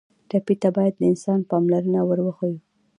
ټپي ته باید د انسان پاملرنه ور وښیو.